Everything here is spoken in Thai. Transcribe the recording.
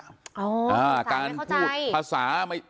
ภาษาไม่เข้าใจ